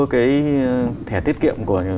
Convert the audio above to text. cái thẻ tiết kiệm của